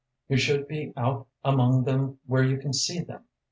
You should be out among them where you can see them.